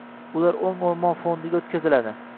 Ular oʻng oʻrmon fondiga oʻtkaziladi